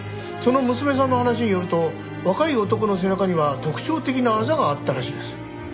その娘さんの話によると若い男の背中には特徴的なアザがあったらしいです。